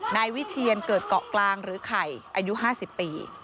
นายวิเชียนเกิดเกาะกลางหรือไข่อายุ๕๐ปี